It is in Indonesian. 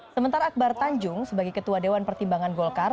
sementara akbar tanjung sebagai ketua dewan pertimbangan golkar